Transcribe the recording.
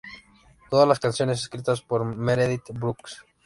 Todas las canciones escritas por Meredith Brooks.